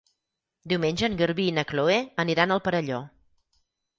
Diumenge en Garbí i na Chloé aniran al Perelló.